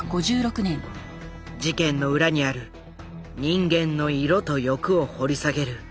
事件の裏にある人間の色と欲を掘り下げる